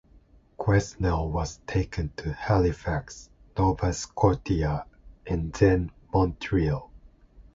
Quesnel was taken to Halifax, Nova Scotia and then Montreal.